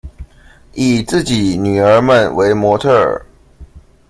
以自己女兒們為模特兒